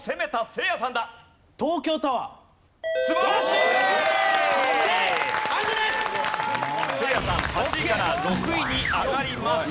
せいやさん８位から６位に上がります。